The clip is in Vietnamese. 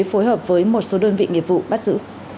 phối hợp với một số đơn vị nghiệp vụ bắt giữ